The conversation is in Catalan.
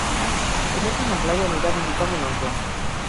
Dimecres en Blai anirà a visitar mon oncle.